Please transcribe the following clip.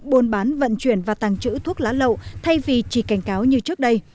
buôn bán vận chuyển và tàng trữ thuốc lá lậu thay vì chỉ cảnh cáo như trước đây